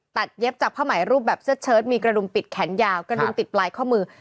เย็บจากผ้าไหมรูปแบบเสื้อเชิดมีกระดุมปิดแขนยาวกระดุมติดปลายข้อมือ